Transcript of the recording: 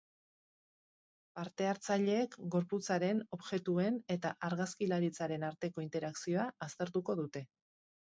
Parte-hartzaileek gorputzaren, objektuen eta argazkilaritzaren arteko interakzioa aztertuko dute.